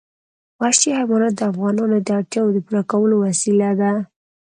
وحشي حیوانات د افغانانو د اړتیاوو د پوره کولو وسیله ده.